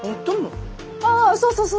あそうそうそう。